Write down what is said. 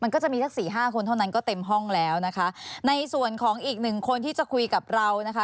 ก็จะมีสักสี่ห้าคนเท่านั้นก็เต็มห้องแล้วนะคะในส่วนของอีกหนึ่งคนที่จะคุยกับเรานะคะ